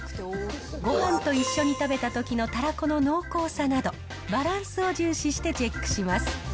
ごはんと一緒に食べたときのたらこの濃厚さなど、バラスを重視してチェックします。